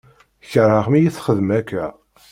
Kerheɣ mi yi-txeddem akka.